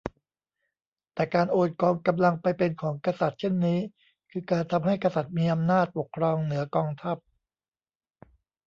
แต่การโอนกองกำลังไปเป็นของกษัตริย์เช่นนี้ คือการทำให้กษัตริย์มีอำนาจปกครองเหนือกองทัพ